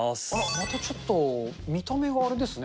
またちょっと見た目があれですね。